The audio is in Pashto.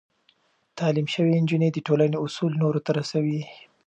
تعليم شوې نجونې د ټولنې اصول نورو ته رسوي.